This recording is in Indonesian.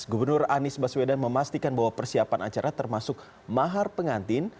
gubernur anies baswedan memastikan bahwa persiapan acara termasuk mahar pengantin